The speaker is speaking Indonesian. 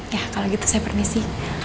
ya kalau gitu saya permisi